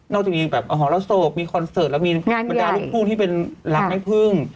นอกจากนี้แบบอาหารแล้วโศกมีคอนเซิร์ตแล้วมีบรรดาลูกผู้ที่เป็นหลักไม่พึ่ง